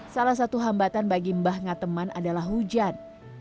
salah satu hambatan bagi mbah ngateman adalah hujan